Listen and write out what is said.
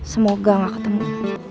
semoga nggak ketemu